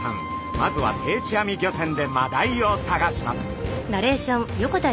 まずは定置網漁船でマダイを探します。